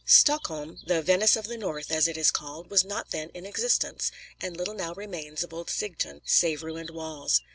Stockholm, the "Venice of the North," as it is called, was not then in existence; and little now remains of old Sigtun save ruined walls.